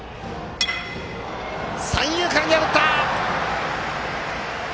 三遊間、破った！